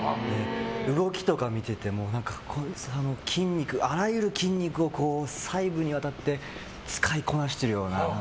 動きとか見ててもあらゆる筋肉を細部にわたって使いこなしてるような。